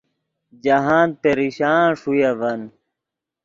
جاہند پریشان ݰوئے اڤن